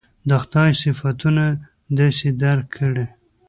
د خدای صفتونه داسې درک کړي.